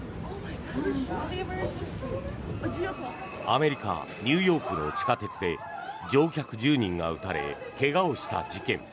アメリカ・ニューヨークの地下鉄で乗客１０人が撃たれ怪我をした事件。